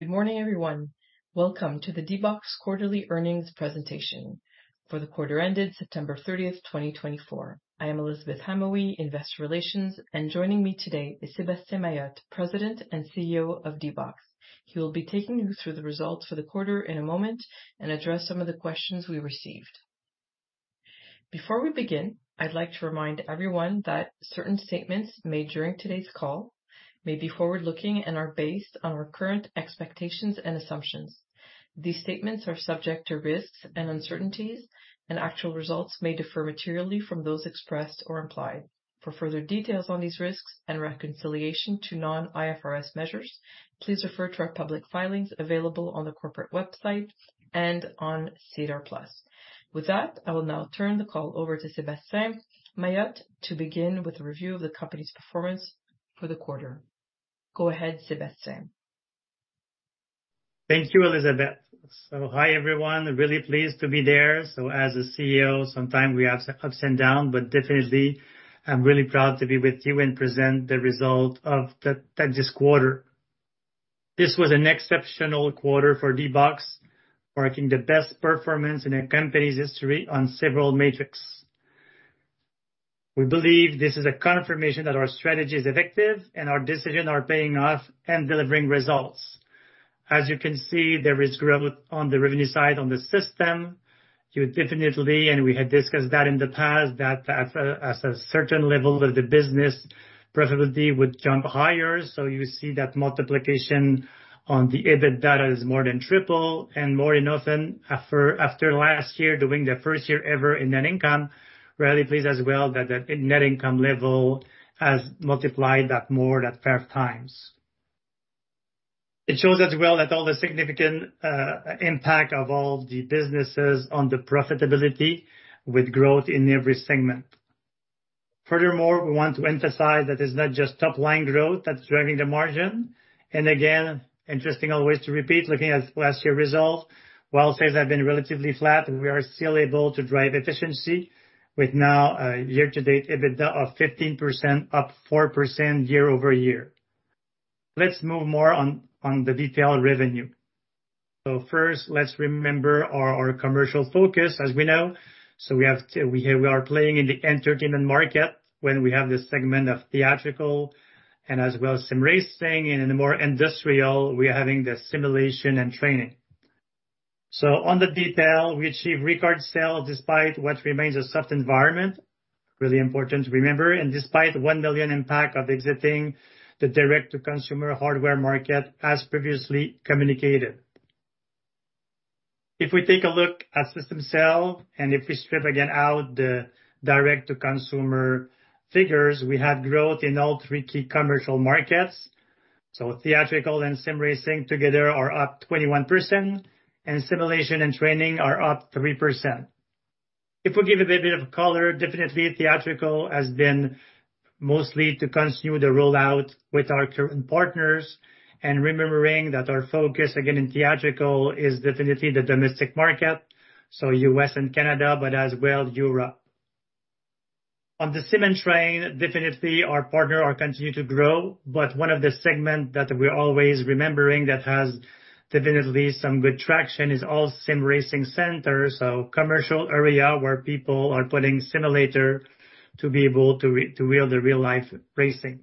Good morning, everyone. Welcome to the D-BOX Quarterly Earnings presentation for the quarter ended September 30th, 2024. I am Elizabeth Hamaoui, Investor Relations, and joining me today is Sébastien Mailhot, President and CEO of D-BOX. He will be taking you through the results for the quarter in a moment and address some of the questions we received. Before we begin, I'd like to remind everyone that certain statements made during today's call may be forward-looking and are based on our current expectations and assumptions. These statements are subject to risks and uncertainties, and actual results may differ materially from those expressed or implied. For further details on these risks and reconciliation to non-IFRS measures, please refer to our public filings available on the corporate website and on SEDAR+. With that, I will now turn the call over to Sébastien Mailhot to begin with a review of the company's performance for the quarter. Go ahead, Sébastien. Thank you, Elizabeth Hamaoui. Hi everyone. Really pleased to be there. As a CEO, sometimes we have ups and downs, but definitely, I'm really proud to be with you and present the result of this quarter. This was an exceptional quarter for D-BOX, marking the best performance in a company's history on several metrics. We believe this is a confirmation that our strategy is effective and our decisions are paying off and delivering results. As you can see, there is growth on the revenue side on the system. You definitely, and we had discussed that in the past, that at a certain level of the business, profitability would jump higher. You see that multiplication on the EBITDA is more than triple. More often, after last year doing the first year ever in net income, really pleased as well that the net income level has multiplied that more than five times. It shows as well that all the significant impact of all the businesses on the profitability with growth in every segment. Furthermore, we want to emphasize that it's not just top-line growth that's driving the margin. And again, interesting always to repeat, looking at last year's result, while sales have been relatively flat, we are still able to drive efficiency with now a year-to-date EBITDA of 15%, up 4% year over year. Let's move more on the detailed revenue. So, first, let's remember our commercial focus, as we know. So, we are playing in the entertainment market when we have the segment of theatrical and as well as some racing. In the more industrial, we are having the simulation and training. On the detail, we achieved record sales despite what remains a soft environment. Really important to remember. Despite the one million impact of exiting the direct-to-consumer hardware market, as previously communicated. If we take a look at system sales, and if we strip again out the direct-to-consumer figures, we had growth in all three key commercial markets. Theatrical and sim racing together are up 21%, and simulation and training are up 3%. If we give a bit of color, definitely theatrical has been mostly to continue the rollout with our current partners and remembering that our focus again in theatrical is definitely the domestic market, so U.S. and Canada, but as well Europe. On the simulation and training, definitely our partners continue to grow, but one of the segments that we're always remembering that has definitely some good traction is all sim racing centers, so commercial area where people are putting simulators to be able to feel the real-life racing.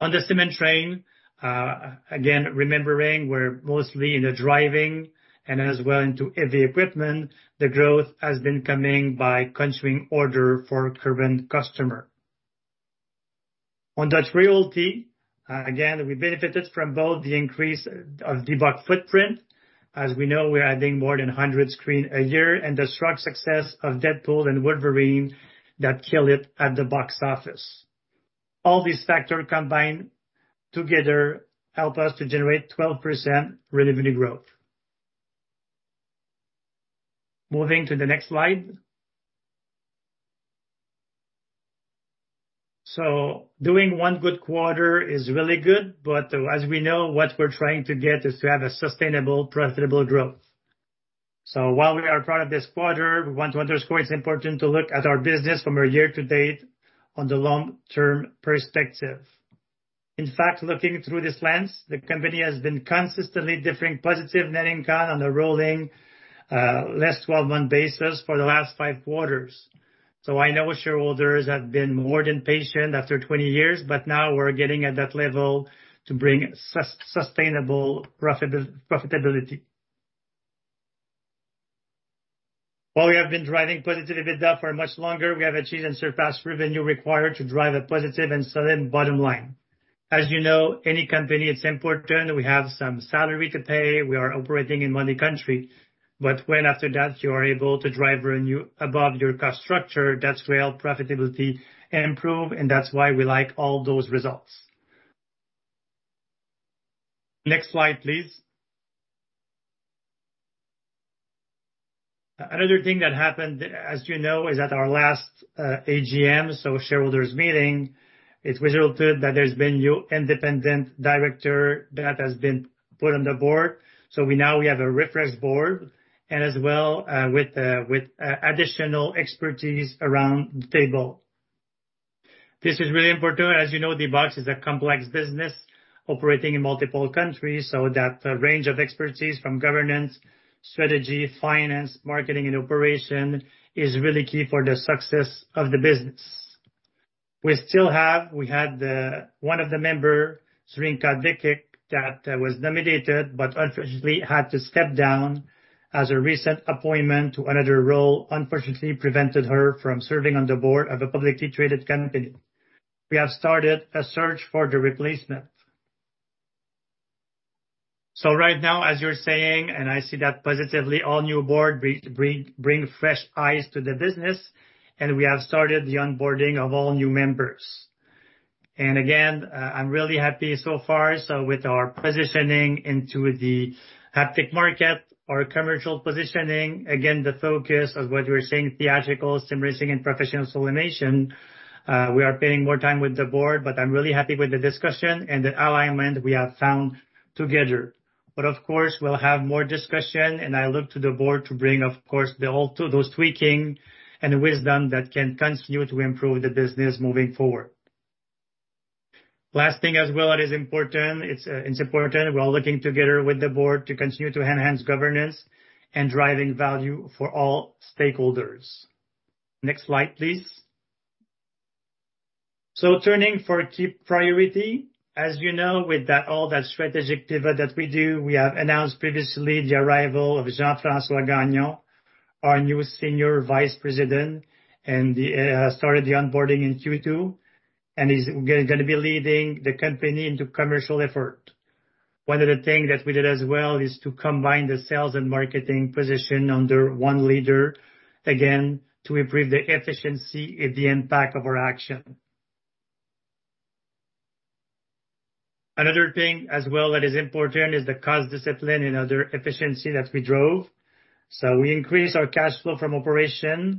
On the simulation and training, again, remembering we're mostly in the driving and as well into heavy equipment, the growth has been coming by continuing order for current customers. On theatrical, again, we benefited from both the increase of D-BOX footprint, as we know we're adding more than 100 screens a year, and the strong success of Deadpool & Wolverine that killed it at the box office. All these factors combined together help us to generate 12% revenue growth. Moving to the next slide. So, doing one good quarter is really good, but as we know, what we're trying to get is to have a sustainable, profitable growth. So, while we are proud of this quarter, we want to underscore it's important to look at our business from a year-to-date on the long-term perspective. In fact, looking through this lens, the company has been consistently delivering positive net income on a rolling 12-month basis for the last five quarters. So, I know shareholders have been more than patient after 20 years, but now we're getting at that level to bring sustainable profitability. While we have been driving positive EBITDA for much longer, we have achieved and surpassed revenue required to drive a positive and solid bottom line. As you know, any company, it's important we have some salary to pay. We are operating in Canada. But when after that you are able to drive revenue above your cost structure, that's where profitability improves, and that's why we like all those results. Next slide, please. Another thing that happened, as you know, is at our last AGM, so shareholders' meeting, it resulted that there's been a new independent director that has been put on the board. So, now we have a refreshed board and as well with additional expertise around the table. This is really important. As you know, D-BOX is a complex business operating in multiple countries, so that range of expertise from governance, strategy, finance, marketing, and operation is really key for the success of the business. We still have. We had one of the members, Zrinka Dekic, that was nominated, but unfortunately had to step down as a recent appointment to another role unfortunately prevented her from serving on the board of a publicly traded company. We have started a search for the replacement. So, right now, as you're saying, and I see that positively, all new boards bring fresh eyes to the business, and we have started the onboarding of all new members. And again, I'm really happy so far. So, with our positioning into the haptic market, our commercial positioning, again, the focus of what we're saying, theatrical, sim racing, and professional simulation, we are paying more time with the board, but I'm really happy with the discussion and the alignment we have found together. But of course, we'll have more discussion, and I look to the board to bring, of course, those tweaking and wisdom that can continue to improve the business moving forward. Last thing as well, it is important. It's important. We're all looking together with the board to continue to enhance governance and driving value for all stakeholders. Next slide, please. So, turning to key priority, as you know, with all that strategic pivot that we do, we have announced previously the arrival of Jean-François Gagnon, our new Senior Vice President, and he started the onboarding in Q2, and he's going to be leading the company into commercial effort. One of the things that we did as well is to combine the sales and marketing position under one leader, again, to improve the efficiency and the impact of our action. Another thing as well that is important is the cost discipline and other efficiency that we drove, so we increased our cash flow from operations.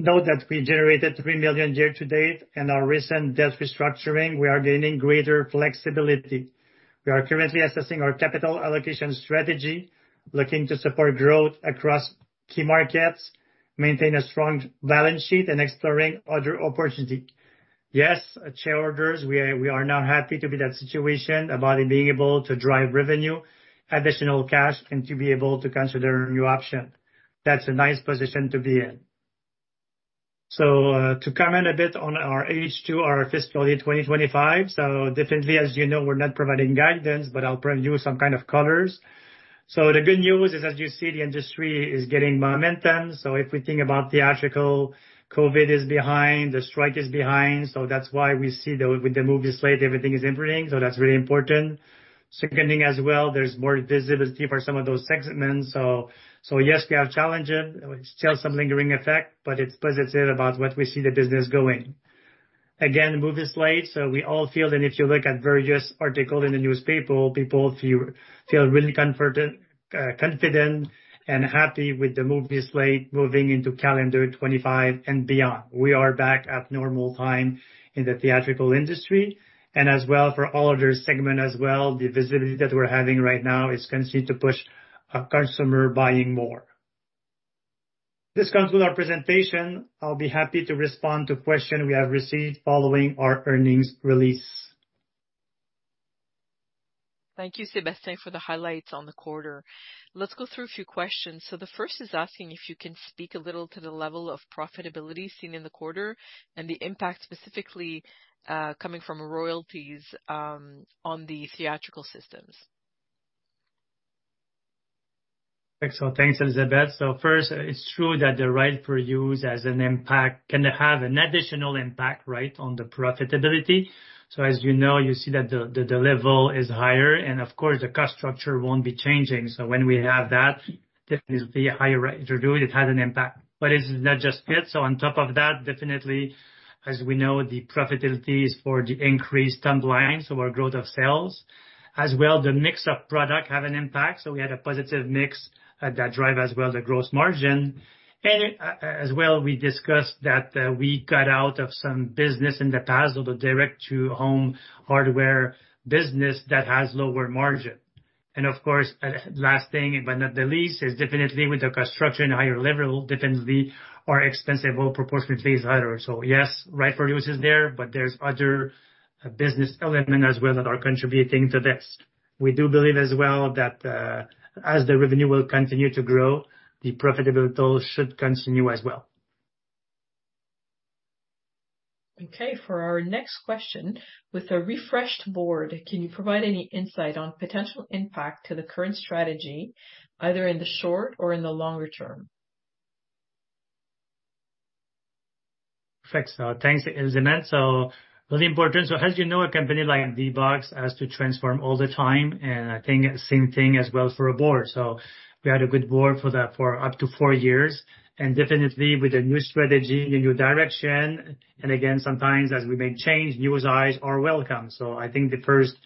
Note that we generated three million year-to-date, and our recent debt restructuring. We are gaining greater flexibility. We are currently assessing our capital allocation strategy, looking to support growth across key markets, maintain a strong balance sheet, and exploring other opportunities. Yes, shareholders, we are now happy to be in that situation about being able to drive revenue, additional cash, and to be able to consider a new option. That's a nice position to be in, so to comment a bit on our H2, our fiscal year 2025, so definitely, as you know, we're not providing guidance, but I'll bring you some kind of colors, so the good news is, as you see, the industry is getting momentum. So, if we think about theatrical, COVID is behind, the strike is behind. So, that's why we see that with the movie slate, everything is improving. So, that's really important. Second thing as well, there's more visibility for some of those segments. So, yes, we have challenges, still some lingering effect, but it's positive about what we see the business going. Again, movie slate. So, we all feel, and if you look at various articles in the newspaper, people feel really confident and happy with the movie slate moving into calendar 2025 and beyond. We are back at normal time in the theatrical industry. And as well for all other segments as well, the visibility that we're having right now is continuing to push consumer buying more. This concludes our presentation. I'll be happy to respond to questions we have received following our earnings release. Thank you, Sébastien, for the highlights on the quarter. Let's go through a few questions. So, the first is asking if you can speak a little to the level of profitability seen in the quarter and the impact specifically coming from royalties on the theatrical systems. Excellent. Thanks, Elizabeth. So, first, it's true that the right-of-use asset impact can have an additional impact, right, on the profitability. So, as you know, you see that the level is higher, and of course, the cost structure won't be changing. So, when we have that, definitely a higher right-of-use, it has an impact. But it's not just it. So, on top of that, definitely, as we know, the profitability is for the increased timeline, so our growth of sales. As well, the mix of product has an impact. So, we had a positive mix that drives as well the gross margin. And as well, we discussed that we got out of some business in the past, so the direct-to-consumer hardware business that has lower margin. And, of course, last thing, but not the least, is definitely with the construction, higher level, definitely our expenses will proportionately is higher. So, yes, right-of-use is there, but there's other business elements as well that are contributing to this. We do believe as well that as the revenue will continue to grow, the profitability should continue as well. Okay, for our next question, with a refreshed board, can you provide any insight on potential impact to the current strategy, either in the short or in the longer term? Thanks. So, thanks, Elizabeth. So, really important. So, as you know, a company like D-BOX has to transform all the time, and I think same thing as well for a board. So, we had a good board for up to four years, and definitely with a new strategy, a new direction. And again, sometimes as we may change, new eyes are welcome. So, I think the first,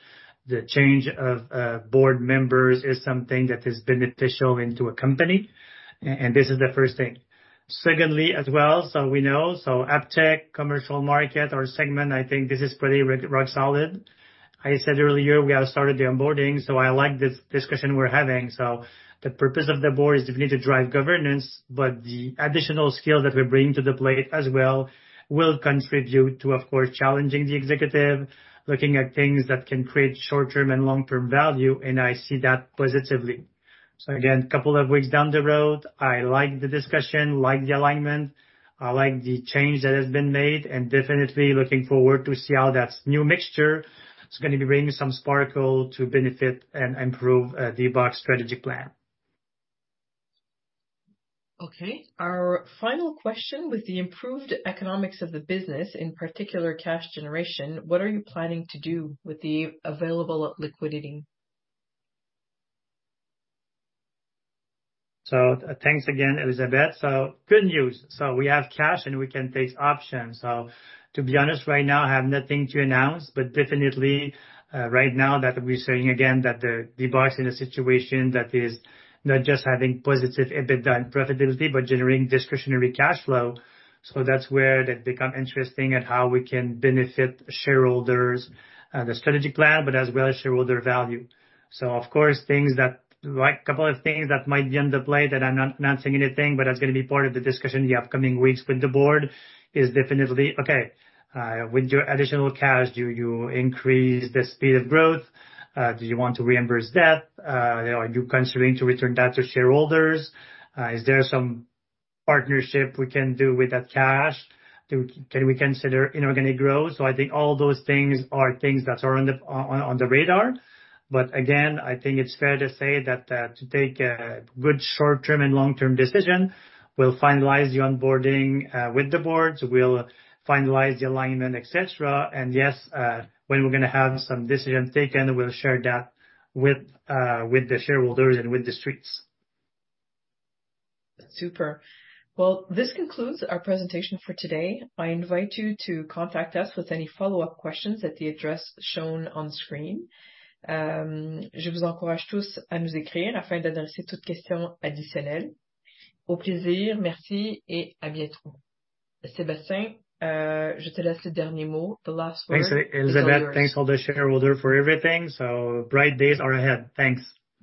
the change of board members is something that is beneficial to a company, and this is the first thing. Secondly as well, so we know, so haptic, commercial market, our segment, I think this is pretty rock solid. I said earlier we have started the onboarding, so I like this discussion we're having. The purpose of the board is definitely to drive governance, but the additional skills that we bring to the plate as well will contribute to, of course, challenging the executive, looking at things that can create short-term and long-term value, and I see that positively. Again, a couple of weeks down the road, I like the discussion, like the alignment, I like the change that has been made, and definitely looking forward to see how that new mixture is going to bring some sparkle to benefit and improve D-BOX strategy plan. Okay, our final question with the improved economics of the business, in particular cash generation, what are you planning to do with the available liquidity? So, thanks again, Elizabeth. So, good news. So, we have cash and we can take options. So, to be honest, right now, I have nothing to announce, but definitely right now that we're saying again that the D-BOX is in a situation that is not just having positive EBITDA and profitability, but generating discretionary cash flow. So, that's where that becomes interesting and how we can benefit shareholders, the strategy plan, but as well as shareholder value. So, of course, things that, like a couple of things that might be on the plate that I'm not announcing anything, but that's going to be part of the discussion in the upcoming weeks with the board. Is definitely okay with your additional cash. Do you increase the speed of growth? Do you want to reimburse debt? Are you considering to return that to shareholders? Is there some partnership we can do with that cash? Can we consider inorganic growth? So, I think all those things are things that are on the radar. But again, I think it's fair to say that to take a good short-term and long-term decision, we'll finalize the onboarding with the boards, we'll finalize the alignment, etc. And yes, when we're going to have some decisions taken, we'll share that with the shareholders and with the Street. Super. Well, this concludes our presentation for today. I invite you to contact us with any follow-up questions at the address shown on screen. Je vous encourage tous à nous écrire afin d'adresser toute question additionnelle. Au plaisir, merci et à bientôt. Sébastien, je te laisse le dernier mot, the last word. Thanks, Elizabeth. Thanks all the shareholders for everything. So, bright days are ahead. Thanks.